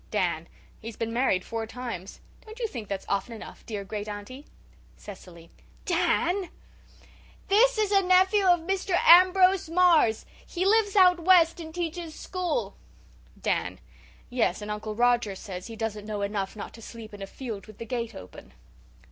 DAN: "He's been married four times. Don't you think that's often enough, dear great aunty?" CECILY: "(Dan!!) This is a nephew of Mr. Ambrose Marr's. He lives out west and teaches school." DAN: "Yes, and Uncle Roger says he doesn't know enough not to sleep in a field with the gate open."